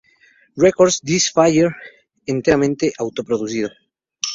Records, "This Fire", enteramente autoproducido.